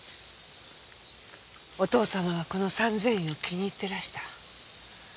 お父様はこの三千院を気に入っていらした。